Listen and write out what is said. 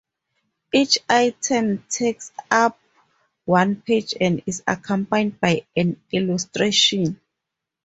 Each item takes up one page and is accompanied by an illustration.